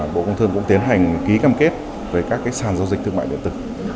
bộ công thương cũng tiến hành ký cam kết với các sản giao dịch thương mại điện tử